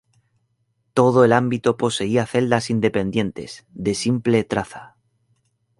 Todo el ámbito poseía celdas independientes, de simple traza.